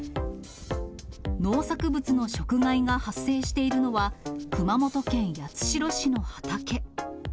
農作物の食害が発生しているのは、熊本県八代市の畑。